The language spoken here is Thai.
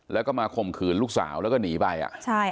แล้วก็มาคมขืนลูกสาวแล้วก็หนีไป